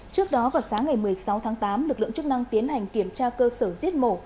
trước đó vào sáng ngày một mươi sáu tháng tám lực lượng chức năng tiến hành kiểm tra cơ sở giết mổ